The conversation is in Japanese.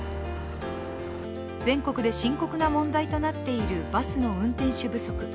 全国で深刻な問題となっているバスの運転手不足。